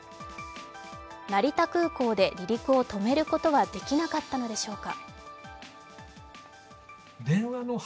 成田空港で離陸を止めることはできなかったのでしょうか。